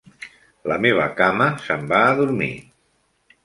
La meva cama se'n va a dormir.